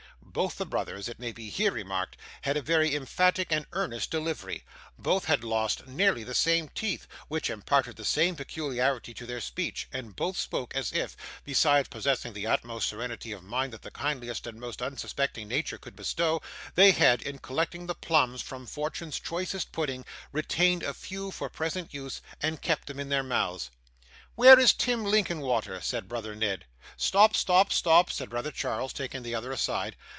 Both the brothers, it may be here remarked, had a very emphatic and earnest delivery; both had lost nearly the same teeth, which imparted the same peculiarity to their speech; and both spoke as if, besides possessing the utmost serenity of mind that the kindliest and most unsuspecting nature could bestow, they had, in collecting the plums from Fortune's choicest pudding, retained a few for present use, and kept them in their mouths. 'Where is Tim Linkinwater?' said brother Ned. 'Stop, stop, stop!' said brother Charles, taking the other aside.